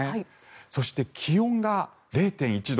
そして、気温が０．１度。